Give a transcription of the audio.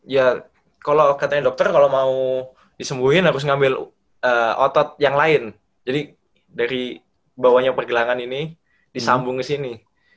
ya kalau katanya dokter kalau mau disembuhin harus ngambil otot yang lain jadi dari bawahnya pergelangan ini disambung ke sini